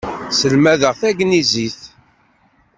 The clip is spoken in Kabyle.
Selmadeɣ tagnizit.